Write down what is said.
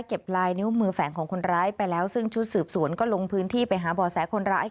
ลายนิ้วมือแฝงของคนร้ายไปแล้วซึ่งชุดสืบสวนก็ลงพื้นที่ไปหาบ่อแสคนร้าย